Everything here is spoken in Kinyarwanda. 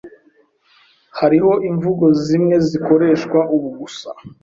Hariho imvugo zimwe zikoreshwa ubu gusa.